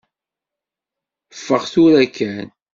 Ffeɣ tura kan.